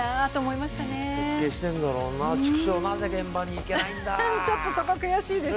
いい設計してるんだろうな畜生、なぜ現場に行けないんだ。